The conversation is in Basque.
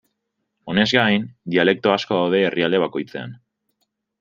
Honez gain, dialekto asko daude herrialde bakoitzean.